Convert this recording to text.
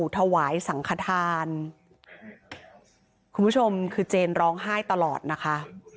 ถวายสังขทานคุณผู้ชมคือเจนร้องไห้ตลอดนะคะ